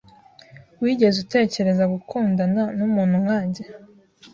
Wigeze utekereza gukundana numuntu nkanjye?